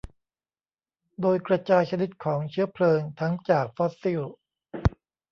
โดยกระจายชนิดของเชื้อเพลิงทั้งจากฟอสซิล